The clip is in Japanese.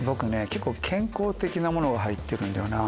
結構健康的なものが入ってるんだよな。